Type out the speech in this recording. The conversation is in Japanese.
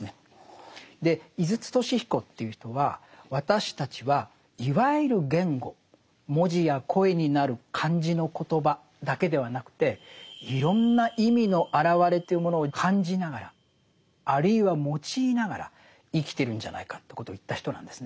で井筒俊彦という人は私たちはいわゆる言語文字や声になる漢字の言葉だけではなくていろんな意味の表れというものを感じながらあるいは用いながら生きてるんじゃないかということを言った人なんですね。